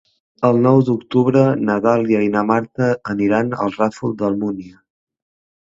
El nou d'octubre na Dàlia i na Marta aniran al Ràfol d'Almúnia.